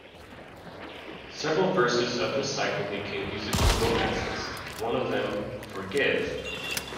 Several verses of this cycle became musical romances, one of them, Forgive!